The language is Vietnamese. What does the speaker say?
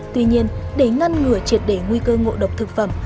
tuy nhiên để ngăn ngừa triệt để nguy cơ ngộ độc thực phẩm